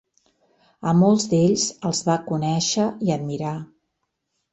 A molts d'ells els va conèixer i admirar.